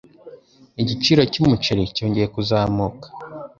Igiciro cy'umuceri cyongeye kuzamuka.